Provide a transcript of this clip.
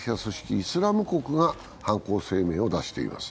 イスラム国が犯行声明を出しています。